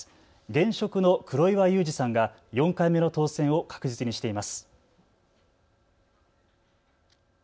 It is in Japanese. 現職の黒岩祐治さんが４回目の当選を確実にしています。